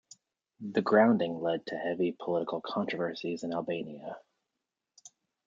The grounding led to heavy political controversies in Albania.